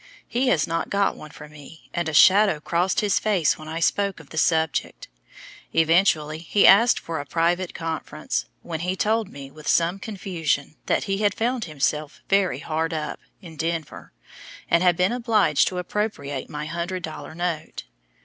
He has not got one for me, and a shadow crossed his face when I spoke of the subject. Eventually he asked for a private conference, when he told me, with some confusion, that he had found himself "very hard up" in Denver, and had been obliged to appropriate my 100 dollar note.